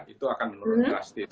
itu akan menurun drastis